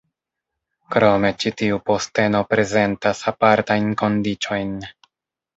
Krome ĉi tiu posteno prezentas apartajn kondiĉojn.